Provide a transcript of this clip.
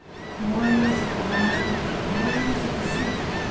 Warriors of the land And warriors of the sea.